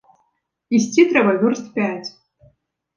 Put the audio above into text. Ісці трэба вёрст пяць.